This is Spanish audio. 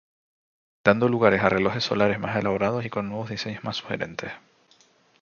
Dando lugar a relojes solares más elaborados y con nuevos diseños más sugerentes.